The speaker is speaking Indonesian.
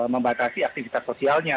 membatasi aktivitas sosialnya